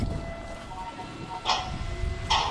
ارمان به دي پوره يي .